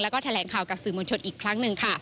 แล้วก็แถลงข่าวกับสื่อมวลชนอีกครั้งหนึ่งค่ะ